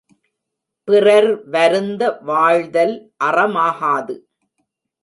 பிறர் வருந்த வாழ்தல் அறமாகாது.